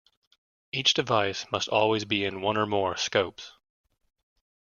Each device must always be in one or more "scopes".